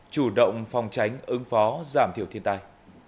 chủ động phòng tránh ứng phó giảm thiểu thiên tai